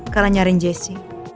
karena nyariin jessy